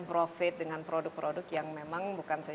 profit dengan produk produk yang memang